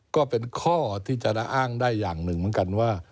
ก็เป็นข้อที่จะอ้างได้อย่างหนึ่งเหมือนกันว่า